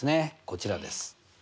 こちらです。